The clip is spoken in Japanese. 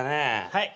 はい。